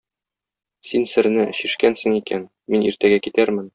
Син серне чишкәнсең икән, мин иртәгә китәрмен.